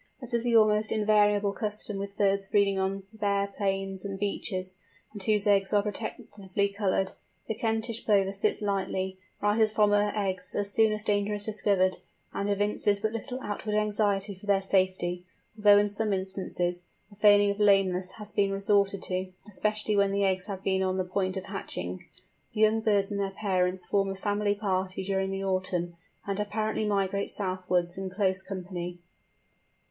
As is the almost invariable custom with birds breeding on bare plains and beaches—and whose eggs are protectively coloured—the Kentish Plover sits lightly, rises from her eggs as soon as danger is discovered, and evinces but little outward anxiety for their safety; although, in some instances, the feigning of lameness has been resorted to, especially when the eggs have been on the point of hatching. The young birds and their parents form a family party during the autumn, and apparently migrate southwards in close company.